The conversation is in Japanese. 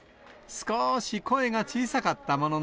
少し声が小さかったものの。